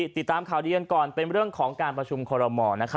ติดตามข่าวดีกันก่อนเป็นเรื่องของการประชุมคอรมอล